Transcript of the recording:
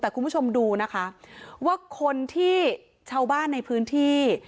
แต่คุณผู้ชมดูนะคะว่าคนที่ชาวบ้านในพื้นที่